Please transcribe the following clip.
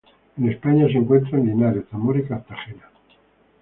En España se encuentra en Linares, Zamora y Cartagena.